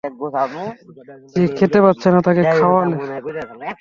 যে খেতে পাচ্ছে না, তাকে খাওয়ালে।